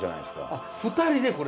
あっ２人でこれ。